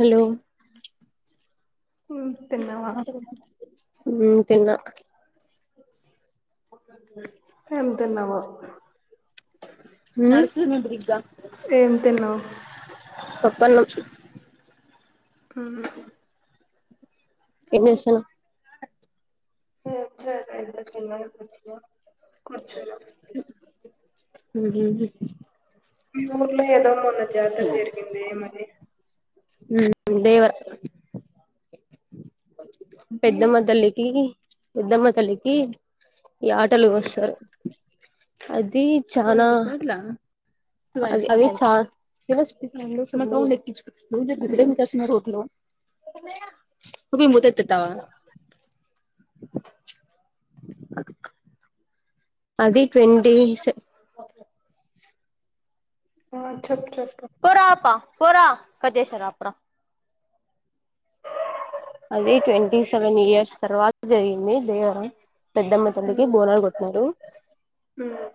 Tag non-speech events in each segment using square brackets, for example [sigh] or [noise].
Hello ఉమ్ తిన్నావా ఉ తిన్న [inaudible] ఎంతున్నావో నడుసుడు ఉండి ఉంటది ఇగ్గా ఏం తిన్నావు పప్పన్నం ఆ ఏం చేస్తున్నావ్ ఏం చేయలే హాయిగా తిన్న కూర్చున్న కుర్చీలో హ మీ ఊర్లో ఏదో మొన్న జాతర జరిగింది ఎం మది దేవర పెద్దమ్మ తల్లికి పెద్దమ్మ తల్లికి ఈ యాటలు ఉమ్, కోస్తారు అది చనా అది చా మత్ [unintelligible] దావా అది ట్వంటీస్ ఆ చెప్పు చెప్పు పరా పా పరా కదేసర అపురా అది ట్వంటీ సెవెన్ ఇయర్స్ తర్వాత జరిగింది దేవరం పెద్దమ్మ తల్లికి ఉమ్, బోనాలు కొట్టిన్నరు ఉమ్.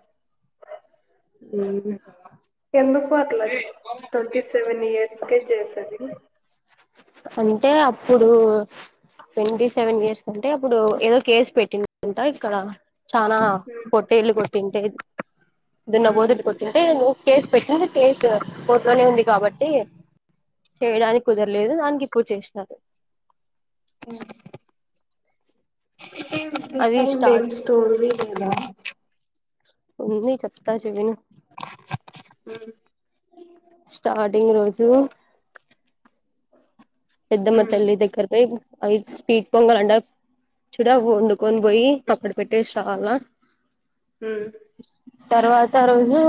అ ఎందుకు పర్లా ట్వంటీ సెవెన్ ఇయర్స్ కే చేస్తుంది అంటే అప్పుడు ట్వంటీ సెవెన్ ఇయర్స్ కంటే అప్పుడు ఏదో కేసు పెట్టిందంట ఇక్కడ చానా పొట్టేల్ళు కొట్టింటేది ఇద నవ ఉమ్. ఓదుట్ కొటిందే నువవు కేస్ పెట్ట కేసు కోర్టులోనే ఉంది కాబట్టి చేయడానికి కుదరలే లేదు దానికి ఇప్పుడు చేసినారు అఓ అది ఇహై ఏం స్టార్ట్ స్టోరీ లేదా ఉ చెప్పతా చెవినా హ స్టార్టింగ్ రోజు పెద్దమ్మ ఉమ్ తల్లి దక్కరపై అయి స్పీడ్ పొంగలంట చూడ వండుకొని పోయి అక్కడ పెట్టి టేస్వాలానా ఉమ్ తర్వాత రోజు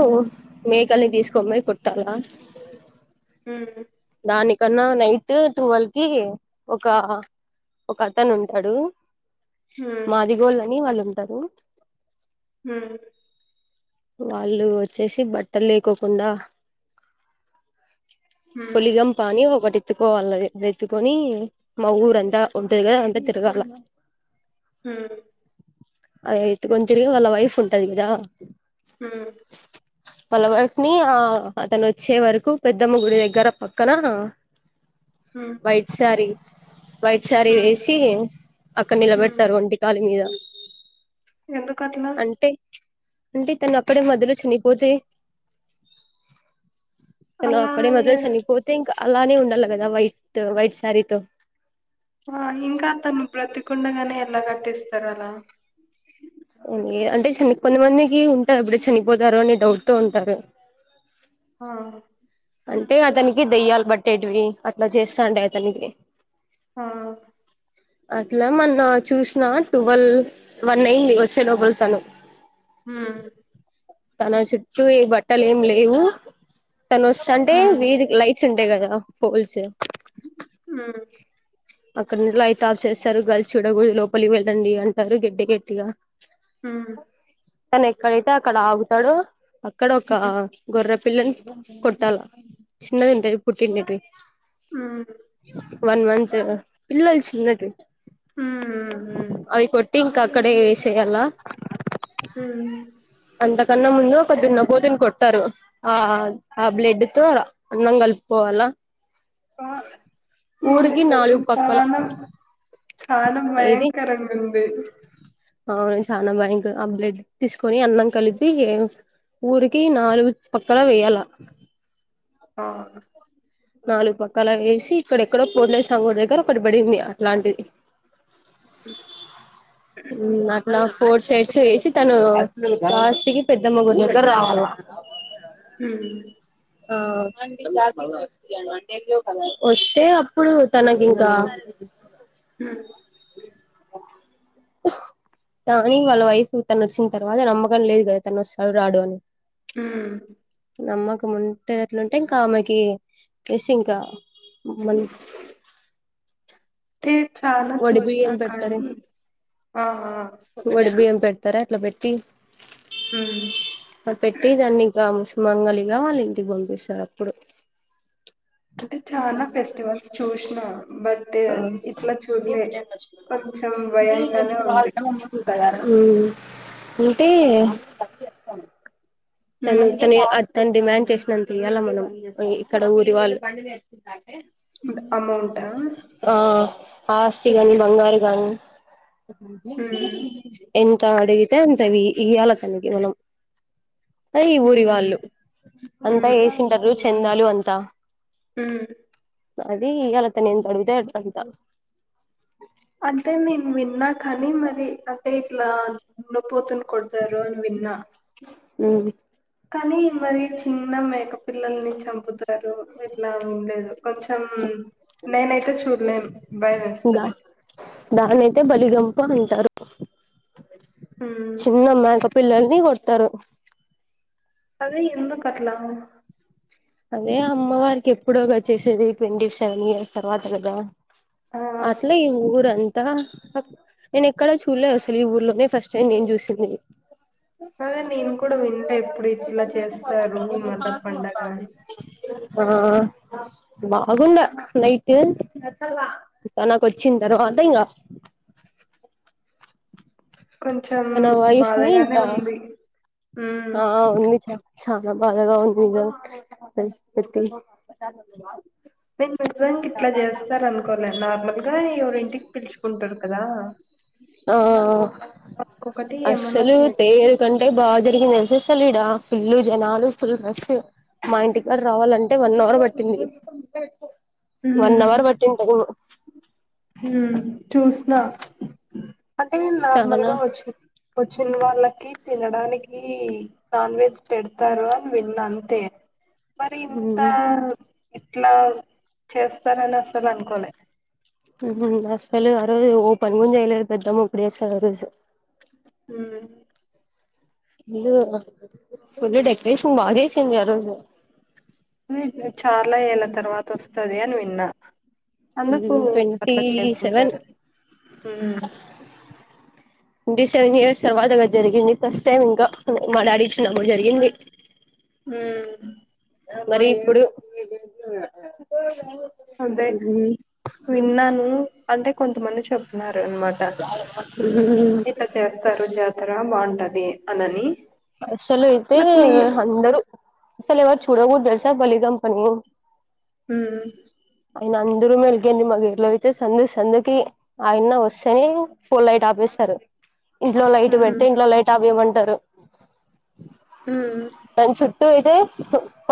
మేకల్ని తీసుకొన్ పోయి కొట్టాలా ఉ దానికన్నా నైట్ టువల్ కి ఒక ఒక అతను ఉంటాడు ఉమ్ మాదిగోళ్ళని వాళ్ళు ఉంటారు మ్ వాళ్ళు వచ్చేసి బట్టలు లేకోకుండా ఉమ్ పొలిగమ్ పాని ఒకటి ఎత్తుకోవాల ఎత్తుకొని మా ఊరంతా ఉంటది కదా అంతా తిరగాల హు అది ఎత్తుకొని తిరిగి వాళ్ళ వైఫ్ ఉంటది కదా ఉమ్ వాల్ల వైఫ్ని ఆ అతను వచ్చే వరకు పెద్దమ్మ గుడి దగ్గర పక్కన ఉమ్ వైట్ సారీ వైట్ శారీ ఉమ్ ఉమ్, వేసి అక్కడ ఉమ్. నిలబెడతారు ఒంటి కాలు మీద ఎందుకట్లా అంటె అంటే ఇతను అక్కడే మధ్యలో చనిపోతే తను అలా ఆక్కడె ఇగ మొదల్ చనిగిపోతే ఇంకా అలానే ఉండాలి కదా వైట్ వైట్ శారీతో ఆ ఇంకా అతను బ్రతి కుండగానే ఎలా కట్టిస్తారులా అంటే చని కొంతమందికి ఉంటాద్ ఎప్పుడే చనిపోతారు అని డౌట్ తో ఉంటారు ఆ అంటే అతనికి దెయ్యాాల పట్టేటివి అట్ల చేస్తాండి అతనికి హా అట్ల మోనా చూసిన టువల్ వన్ అయింది వచ్చే లో వెలుతాను హ్మ్ తన చుట్టూ ఏ బట్టలు ఏం లేవు తను వస్తాంటే హ్మ్ వీధి లైట్స్ ఉంటు టయి కదా పోల్స్ హ్మ్ అక్కడ ఉండి లైట్ ఆఫ్ చేస్తారు గాల్స్ చూడ గూడదు లోపలికి వెళ్ళండి అంటారు గెట్టి గట్టిగా హు తను ఎక్కడైతే అక్కడ ఆగుతాడో అక్కడ ఒక హ్మ్ గొర్ర పిల్లని కొ ట్టాల చిన్నది ఉంటది పుట్టినివి ఉమ్ వన్ మంత్ పిల్లల్ చిన్నటి హ్మ్ వి అవి కొట్టి ఇంకా అక్కడే వేషే యాల హ్మ్ అంత కన్న ముందు కొద్ది నా కూతుర్ని కొట్టారు ఆ ఆ బ్లడ్ తో అన్నం కలుపుకోవాలా ఏం ఊరికి దత్తా అది నాలుగు పక్కల చాన చాన ఏది భయంకరంగా ఉంది అవును చాన బయం అబ్లెట్ తీసుకొని అన్నం కలిపి ఊరుకి నాలుగు పక్కల వెయ్యాల ప నాలుగు పక్కల వేసి ఇక్కడ ఎక్కడో పోలరే స్వామి గుడి దగ్గర ఒకటి పడింది అట్లాంటిది అట్ల ఫోర్ సైడ్స్ వేసి తను ఆస్తికి పెద్దమ్మ గుడి దగ్గరన రావాలి అవు మ్ ఆ వస్తే అప్పుడు తన కింకా హు కానీ వాళ్ళ వైఫ్ తను వచ్చిన్ తర్వాత నమ్మకం లేదు కదా తను వస్తాడొ రాడు అని మ్ నమ్మకం ఉంటే అట్లుంటే ఇంకా ఆమెకి కేసి ఇంక మల్ తే చాలా వడి చూసినా బియ్యం పెట్టరే. కానీ ఆ ఆ ఒడి బియం పెట్ తారే అట్ల పెట్టి, హ్మ్ పెట్టి దాన్నింక ముస్ మంగలిగా వాల్ ఇంటికి పంపిస్తారు అప్పుడు. అంటే చాన ఫెస్టివల్స్ చూసిన. బట్ ఇట్లా చు ఏళ్ ఉంది మ్ అంటే తను ఉమ్ ఇతనే అతన్ డిమాండ్ చేసినంత ఇయ్యాల మనం. ఇక్కడ ఊరి వాళ్ళు అమౌంటా? ఆ ఆస్తి గాని, బంగారు గానీ, ఉమ్ ఎంత అడిగితే అంత వి ఇయ్యాల తనికి మనం. అదే ఈ ఊరి ఉమ్ వాళ్ళు. అంతా ఏసింటారు చెందాలు అంతా మ్ అది ఇయ్యాల తను ఎంత అడిగితే అంత. అంటే నేను విన్నా కానీ, మరి అంటే ఇట్ల దున్నపోతును కొడుతారు అని విన్న. ఉమ్ కానీ మరి చిన్న మేకపిల్లల్ని చంపుతారు. ఇట్లా, వినలేదు. కొంచెం, నేనైతే చూడలేను దా భయమేస్తది. దాన్నయితే బలిగంప అంటారు. ఉమ్ చిన్న మ్యాక పిల్లలని కొడతారు. అదే ఎందుకట్లా? అదే అమ్మవారికి ఎప్పుడో గా చేసేది, ఈ పెండి సేమియా తర్వాత కదా! ఆ అట్లే ఈ ఊరన్ తా నేను ఎక్కడ చూడలేద్ అసలు, ఈ ఊర్లోనే ఫస్ట్ టైం నేను చూసింది. అదే నేను కూడ వినలేదు, ఎప్పుడు ఇట్ల చేస్తారు మద్ద పండగ అని ఆ బాగుండ నైటు. ఇంకా నాకొచ్చిన తర్వాత ఇంగ అ కొంచెం తన వైఫ్ ని బాధగానే ఇంకా ఉంది. ఉమ్ ఆ వున్నిచ చానా బాదగా ఉన్నిందా [unintelligible] నిజంగ్ ఇట్ల చేస్తారు అనుకోల. నార్మల్ గా ఎవరి ఇంటికి పిలుచుకుంటారు కదా! ఆ ఒకటి ఏమన్నా అస్సలు తి తేరు కంటే బా జరిగింది తెలుసా అస్సలీడా ఫుల్లు జనాలు, ఫుల్ రష్. మా ఇంటికాడ రావాలంటే వన్ అవర్ పట్టింది. వన్ అవర్ పట్టింది టైము. హుమ్ చూసిన అంటే టైమ్ నార్మల్ చాలా గా వచ్చి, వచ్చిన వాళ్ళ కి తినడానికి, నాన్ వెజ్ పెడతారు అని విన్నా. అంతే. మరి ఇంత, ఇట్ల చేస్తారని, అస్సలు అనుకోలే. మ్హు అసలు ఆరోజు ఓపెన్ గున చేయలేదు. పెద్దమ్మ గుడి అస్సలు ఆ రోజు. మ్ ఇల్లు ఫుల్ డెకరేషన్ బా చేసిండ్రి ఆ రోజు చాలా ఏళ్ళ తర్వాత వస్తది అని విన్నా అందుకు మ్ ట్వంటీ అట్లా సెవెన్. చేసింటారు హ్మ్ ట్వంటీ సెవెన్ ఇయర్స్ తర్వాత కదా జరిగింది. ఫస్ట్ టైమ్ ఇంకా మా డాడీ చిన్నప్పుడు జరిగింది. మ్ మరి ఇప్పుడు అదే విన్నాను అంటే కొంతమంది చెప్తున్నారు అనమాట ఇట్లా చేస్తారు జాతర బాగుంటది అనని వర్సలు అయితే బట్ నే అందరుూ చాల ఎవ చూడవుఊ దర్శా బలిదంపని హ నేను అందరూ మ వెలిగాడి మాగ ఇట్లో అయితే సందు సందుకి ఆయన వస్తేని ఫుల్ ట్ ఆపేస్తారు ఇంట్లో లైట్ హ్మ్ పెడితే ఇంట్లో లైట్ అవేమంటారు మ్మ్ టూ అయితే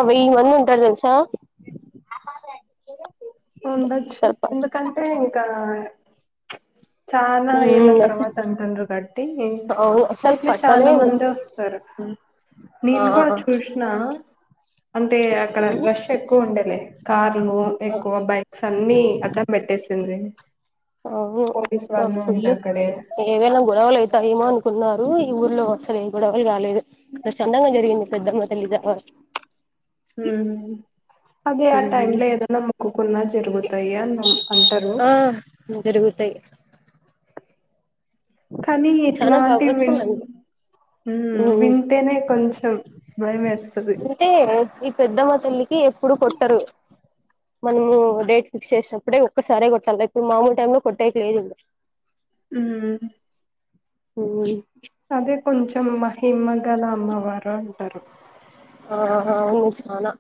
వెయ్య మంది ఉంటారు తెలుసా ఉండొచ్చు అసలు ఎందుకంటే ఇంకా చనా ఎల ఉమ్ అసలు తర్వాత అంటంద గడ్ట్ అవును అసలు మోస్ట్లీ చాలా పట్టలేదు మంది వస్తారు ఆ నేను కూడా చూసిన అంటే అక్కడ ఉమ్ రష్ ఎక్కువ ఉండే లే కార్లు బైక్స్ అన్ని ఆడం పెట్టేస్తుందీ అఓ ఫుల్ అక్కడే ఏవైనా గొడవలు అయితాయమో అనుకున్నారు ఈ ఊర్లో అసలు ఏ గొడవలు రాలేదు ప్రశాంతంగా జరిగింది పెద్దమ్మ తెలియజావా అదే ఆ టైం ఉమ్ లో ఏదైనా మొక్కుకొన్నా జరుగుతాయ ఆన్ అంటారు ఆ జరుగుతాయి కానీ చాలా ఇట్లాంటివి పవర్ఫుల్ విన్ అండి ఉమ్ వింటేనే కొంచెం భయం వేస్తది అంటే ఈ పెద్దమ్మ తల్లికి ఇప్పుడు కొట్టరు మనము డేట్ ఫిక్స్ చేసినప్పుడే ఒక్కసారే కొట్టాలి రేపు మామూలు టైమ్ లో కొట్టేయకలేదు ఇప్పుడు మ్మ్ ఓ అదే కొంచెం మహిమ్మ గల అమ్మవారు అంటారు ఆహా ఆవును చనా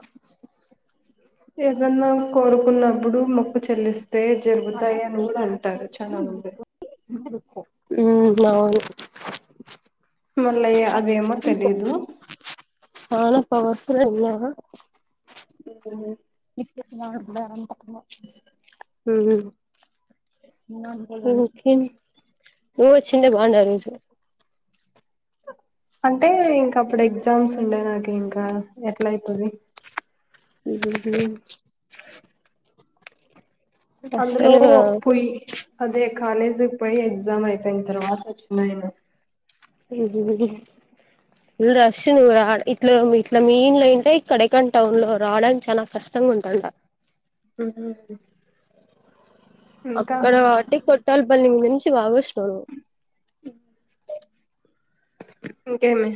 ఏదన్నా కోరుకున్నప్పుడు మొక్కు చెల్లిస్త తే జరుగుతాయి అని కూడా అంటారు చాలా మంది ఉ అవును మళ్ళయ్య అదేమో తెలిదు చాలా పవర్ఫుల్ ఆయా అ [inaudible] ఉ ను వ చిన్న బండవి అంటే ఇంకా అప్పుడు ఎగ్జామ్స్ ఉండే నాకు ఇంకా ఎట్లా అయితుంది ఉహు అందులో అస్సలుగా పుయ్ అదే కాలేజీకి పోయి ఎగ్జామ్ అయిపోయిన తర్వాత వచ్చినయన ఉ ఇ అస్ నువ్వు రా ఇట్ ఇట్ల మెయిన్లు అయింటేక్కడకాన్ టౌన్ లో రావడానికి చాలా కష్టం తంగా ఉంటాంట ఉ అక్కడ కటి కొట్టాల బల్ నిం పచ్చి మాగో విష్ణ ఇంకే మీ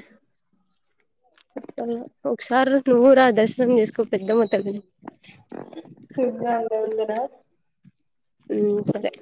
చెప్ప ఒకసారి నువ్వురు దర్శనం చేసుకో పెద్దమా తల్లిని ఇందాంగా ఉందినా మ్మ్ సరే